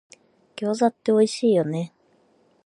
餃子っておいしいよね